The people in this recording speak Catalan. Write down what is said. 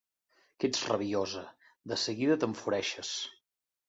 Que ets rabiosa: de seguida t'enfureixes!